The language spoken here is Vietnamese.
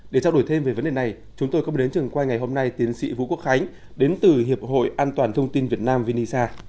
để trao đổi thêm về vấn đề này chúng tôi cũng đến trường quay ngày hôm nay tiến sĩ vũ quốc khánh đến từ hiệp hội an toàn thông tin việt nam vinisa